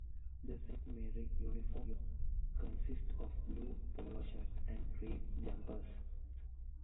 The Saint Mary's uniform consists of blue polo shirts and green jumpers.